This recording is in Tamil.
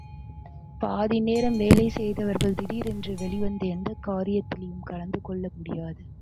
பாதிநேரம் வேலை செய்தவர்கள், திடீரென்று வெளிவந்து எந்தக்காரியத்திலும் கலந்து கொள்ள முடியாது.